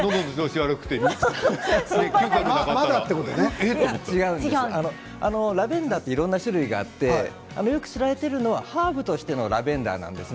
よかったラベンダーはいろんな種類があって知られているのはハーブとしてのラベンダーです。